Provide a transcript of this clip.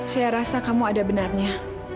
saya rasa kamu ada benarnya